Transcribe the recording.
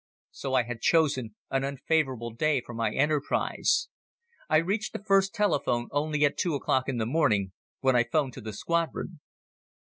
So I had chosen an unfavorable day for my enterprise. I reached the first telephone only at two o'clock in the morning when I 'phoned to the Squadron."